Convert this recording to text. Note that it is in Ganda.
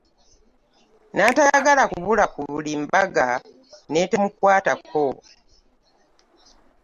Natayagala kubula ku buli mbaga n'etemukwatako .